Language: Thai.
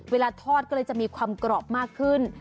เวลาทอดก็เลยจะมีความกรอบมากขึ้น